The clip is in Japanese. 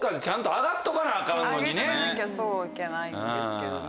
上げとかなきゃいけないんですけどね。